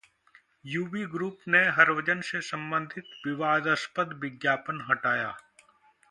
UV group ने हरभजन से संबंधित विवादास्पद विज्ञापन हटाया